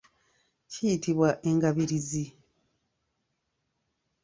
Kiyitibwa engabirizi.